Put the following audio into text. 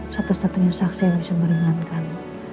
satu satunya saksi yang bisa meringankan